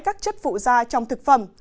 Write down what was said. các chất phụ da trong thực phẩm